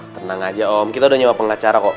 tenang aja om kita udah nyawa pengacara kok